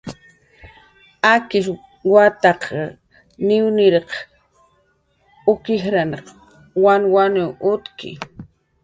Akish wataq niwniriq uk ijrnaq wanwaniw utki